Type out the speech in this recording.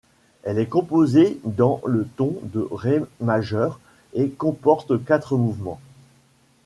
Elle est composée dans le ton de ré majeur et comporte quatre mouvements.